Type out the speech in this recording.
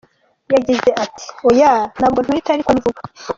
Yagize ati, “Oya ntabwo ntwite ariko ni vuba”.